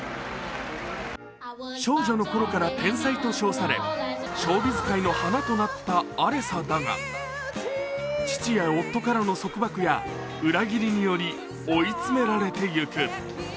少女の頃から天才と称されショービズ界の花となったアレサだったが父や夫からの束縛や裏切りにより追い詰められていく。